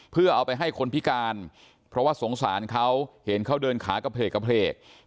เพื่อเอาไปให้คนพิการเพราะว่าสงสารเขาเห็นเขาเดินขากระเพลกกระเพลก